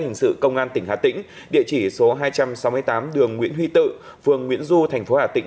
hình sự công an tỉnh hà tĩnh địa chỉ số hai trăm sáu mươi tám đường nguyễn huy tự phường nguyễn du thành phố hà tĩnh